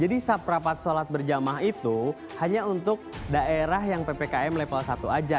jadi saprapat sholat berjamah itu hanya untuk daerah yang ppkm level satu aja